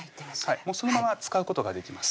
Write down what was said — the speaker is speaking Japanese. もうそのまま使うことができます